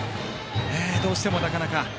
どうしても、なかなか。